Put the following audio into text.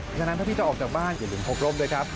ฉะนั้นถ้าพี่จะออกจากบ้านอย่าลืมพกร่มด้วยครับ